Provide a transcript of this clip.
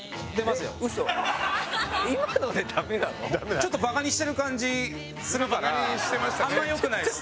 ちょっとバカにしてる感じするからあんまり良くないです。